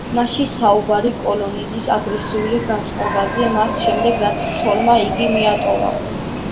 მასში საუბარია კოლინზის აგრესიულ განწყობაზე, მას შემდეგ რაც ცოლმა იგი მიატოვა.